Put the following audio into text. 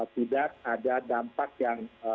tidak ada dampak yang